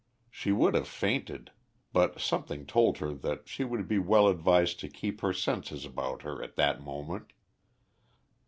She would have fainted, but something told her that she would be well advised to keep her senses about her at that moment.